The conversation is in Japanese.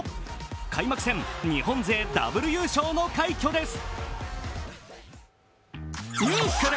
開幕戦、日本勢ダブル優勝の快挙です。